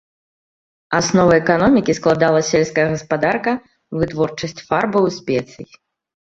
Аснову эканомікі складала сельская гаспадарка, вытворчасць фарбаў і спецый.